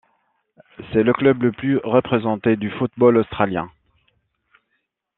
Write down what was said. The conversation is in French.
C'est le club le plus représenté du football australien.